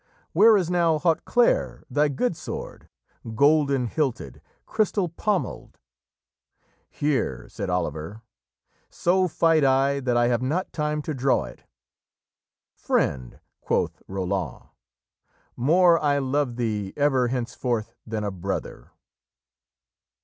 Where is now Hauteclaire, thy good sword, Golden hilted, crystal pommelled?' 'Here,' said Oliver; 'so fight I That I have not time to draw it.' 'Friend,' quoth Roland, 'more I love thee Ever henceforth than a brother.'"